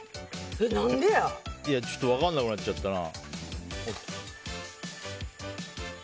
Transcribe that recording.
ちょっと分からなくなったな。